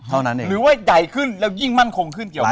หรือว่าใหญ่ขึ้นแล้วยิ่งมั่นคงขึ้นเกี่ยวไหม